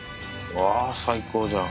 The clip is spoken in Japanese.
わー、最高じゃん。